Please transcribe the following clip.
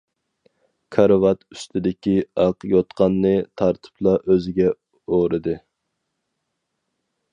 كارىۋات ئۈستىدىكى ئاق يوتقاننى تارتىپلا ئۆزىگە ئورىدى.